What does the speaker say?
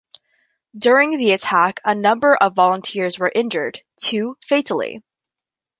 During the attack a number of volunteers were injured, two fatally.